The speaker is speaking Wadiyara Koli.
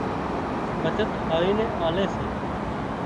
بچت هاۯي نين آلي سي